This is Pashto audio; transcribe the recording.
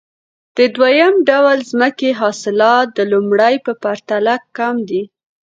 د دویم ډول ځمکې حاصلات د لومړۍ په پرتله کم دي